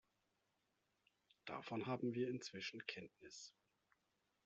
Davon haben wir inzwischen Kenntnis.